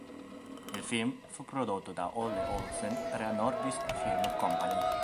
Il film fu prodotto da Ole Olsen per la Nordisk Film Kompagni.